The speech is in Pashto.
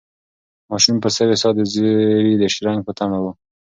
ماشوم په سوې ساه د زېري د شرنګ په تمه و.